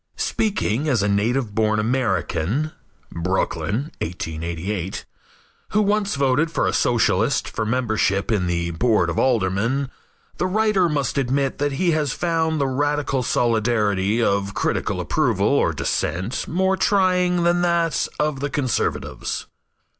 Speaking as a native born American (Brooklyn 1888) who once voted for a Socialist for membership in the Board of Aldermen, the writer must admit that he has found the radical solidarity of critical approval or dissent more trying than that of the conservatives.